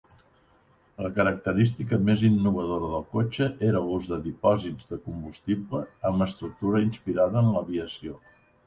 La característica més innovadora del cotxe era l'ús de dipòsits de combustible amb estructura inspirada en l'aviació.